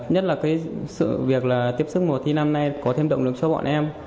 nhất là cái sự việc là tiếp sức mùa thi năm nay có thêm động lực cho bọn em